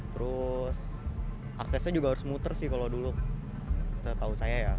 terus aksesnya juga harus muter sih kalau dulu setahu saya ya